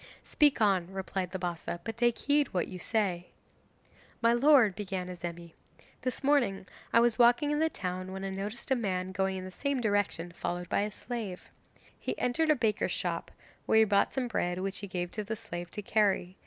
'Speak on,' replied the Bassa, 'but take heed what you say.' 'My lord,' began Azemi, 'this morning I was walking in the town when I noticed a man going in the same direction followed by a slave. He entered a baker's shop, where he bought some bread which he gave to the slave to carry.